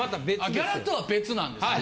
ギャラとは別なんですね？